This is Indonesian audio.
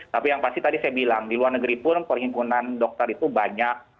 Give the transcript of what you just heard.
tapi yang pasti tadi saya bilang di luar negeri pun penyimpunannya banyak